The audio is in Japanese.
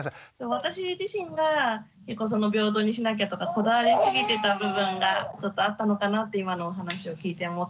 私自身が結構平等にしなきゃとかこだわりすぎてた部分がちょっとあったのかなって今のお話を聞いて思って。